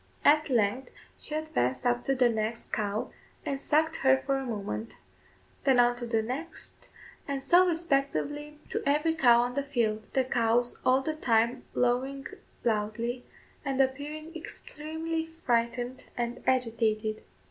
At length she advanced up to the next cow, and sucked her for a moment; then on to the next, and so respectively to every cow on the field the cows all the time lowing loudly, and appearing extremely frightened and agitated.